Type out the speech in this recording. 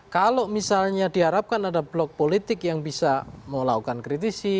kalau misalnya diharapkan ada blok politik yang bisa melakukan kritisi